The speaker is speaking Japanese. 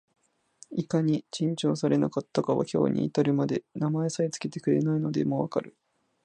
いかに珍重されなかったかは、今日に至るまで名前さえつけてくれないのでも分かる